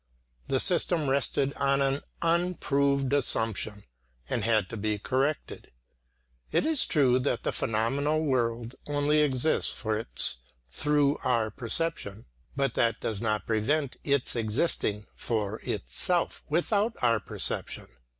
The system rested on an unproved assumption, and had to be corrected; it is true that the phenomenal world only exists for its through our perception, but that does not prevent its existing for itself without our perception.